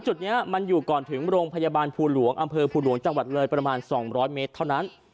จุดนี้มันอยู่ก่อนถึงโรงพยาบาลภูหลวงอำเภอภูหลวงจังหวัดเลยประมาณ๒๐๐เมตรเท่านั้น